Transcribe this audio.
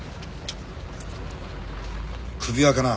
首輪かな